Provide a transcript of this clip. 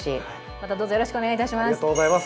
またどうぞよろしくお願いします。